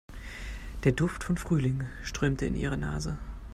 Der Duft von Frühling strömte in ihre Nase.